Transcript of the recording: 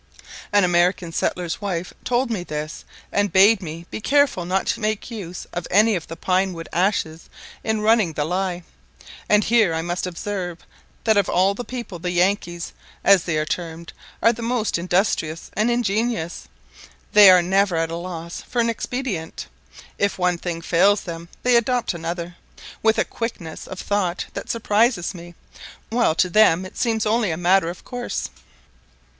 An American settler's wife told me this, and bade me be careful not to make use of any of the pine wood ashes in running the ley. And here I must observe, that of all people the Yankees, as they are termed, are the most industrious and ingenious; they are never at a loss for an expedient: if one thing fails them they adopt another, with a quickness of thought that surprises me, while to them it seems only a matter of course.